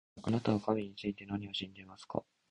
あなたは神について何を知っていますか